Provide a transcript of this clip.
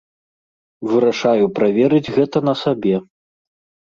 Вырашаю праверыць гэта на сабе.